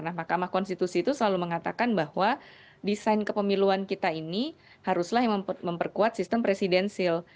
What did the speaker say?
nah mk itu selalu mengatakan bahwa desain kepemiluan kita ini haruslah memperkuat sistem presidensil